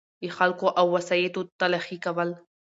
دخلګو او وسایطو تلاښي کول